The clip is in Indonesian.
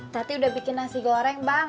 tadi udah bikin nasi goreng bang